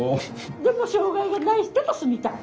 でも障害がない人と住みたい？